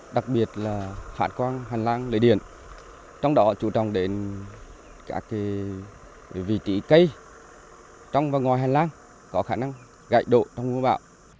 đặc biệt là phản quang hành lang lưới điện trong đó chú trọng đến các vị trí cây trong và ngoài hành lang có khả năng gãy đổ trong mùa bão